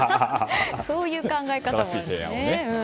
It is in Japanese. そういう考え方もあるんですね。